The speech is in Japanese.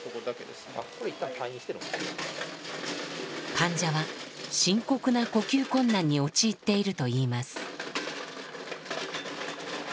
患者は深刻な呼吸困難に陥っているといいます。